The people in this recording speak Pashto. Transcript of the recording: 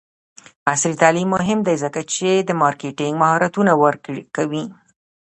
عصري تعلیم مهم دی ځکه چې د مارکیټینګ مهارتونه ورکوي.